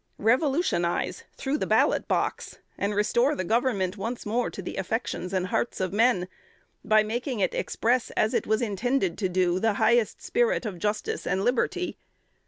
Revolutionize through the ballot box, and restore the Government once more to the affections and hearts of men, by making it express, as it was intended to do, the highest spirit of justice and liberty.